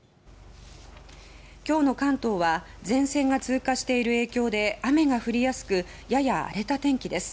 今日の関東は前線が通過している影響で雨が降りやすくやや荒れた天気です。